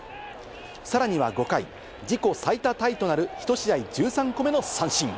さらには５回、自己最多タイとなる１試合１３個目の三振。